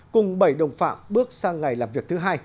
cùng bảy đồng phạm bước sang ngày làm việc thứ hai